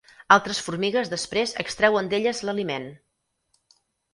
Altres formigues després extreuen d'elles l'aliment.